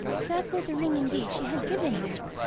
That was a ring indeed she had given him.